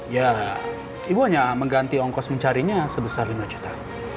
ya ibu hanya mengganti ongkos mencarinya sebesar lima juta